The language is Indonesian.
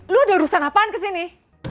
lu ada urusan apaan kesini